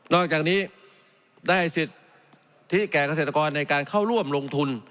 อกจากนี้ได้สิทธิแก่เกษตรกรในการเข้าร่วมลงทุน